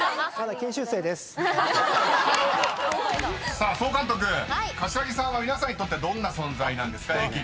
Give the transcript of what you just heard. ［さあ総監督柏木さんは皆さんにとってどんな存在なんですか？］